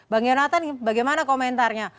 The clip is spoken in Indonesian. bang yonatan bagaimana komentarnya